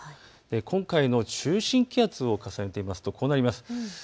今回の中心気圧を重ねてみますとこうなります。